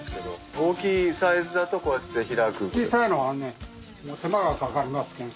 大きいサイズだとこうやって開く？